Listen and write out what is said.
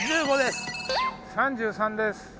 ３３です。